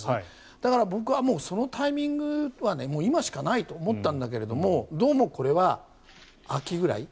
だから、僕はそのタイミングは今しかないと思ったんだけれどどうもこれは秋ぐらい。